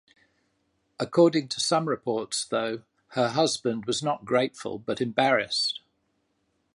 According to some reports, though, her husband was not grateful, but embarrassed.